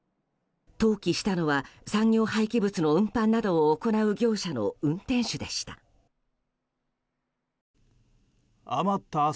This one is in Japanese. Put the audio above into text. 投棄したのは、産業廃棄物の運搬などを行う業者の運転手でした。